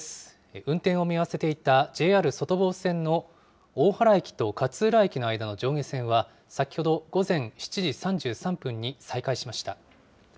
運転を見合わせていたＪＲ外房線の大原駅と勝浦駅の間の上下線は、先ほど午前７時３３分に再開しました。